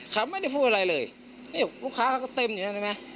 ขับไม่ได้พูดอะไรเลยลูกค้าก็เต็มอยู่นั่นไง